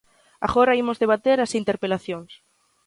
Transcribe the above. Agora imos debater as interpelacións.